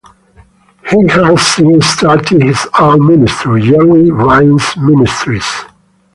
He has since started his own ministry, Jerry Vines Ministries.